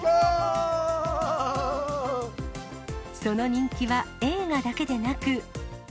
その人気は映画だけでなく。